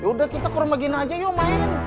ya udah kita ke rumah gina aja yuk main